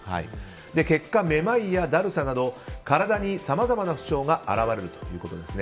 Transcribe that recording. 結果、めまいやだるさなど体にさまざまな不調が現れるということです。